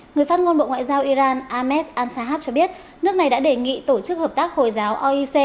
người phát ngôn bộ ngoại giao iran ahmed ansahab cho biết nước này đã đề nghị tổ chức hợp tác hồi giáo oec